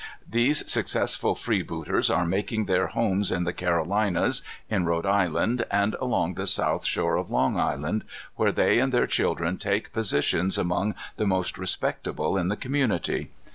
These successful freebooters are making their homes in the Carolinas, in Rhode Island, and along the south shore of Long Island, where they and their children take positions among the most respectable in the community.